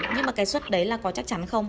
nhưng mà cái suất đấy là có chắc chắn không